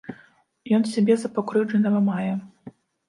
Ён сябе за пакрыўджанага мае.